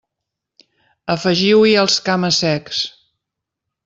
Afegiu-hi els cama-secs.